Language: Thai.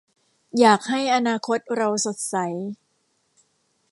อยากให้อนาคตเราสดใส